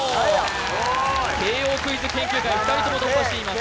・すごーい慶應クイズ研究会２人とも突破しています